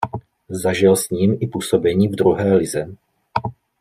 Zažil s ním i působení v druhé lize.